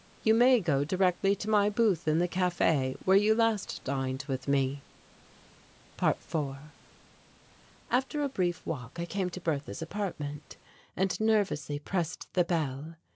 You may go directly to my booth in the café where you last dined with me." ~4~ After a brief walk I came to Bertha's apartment, and nervously pressed the bell.